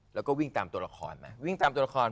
แล้วก็วิ่งตามตัวละครมาวิ่งตามตัวละคร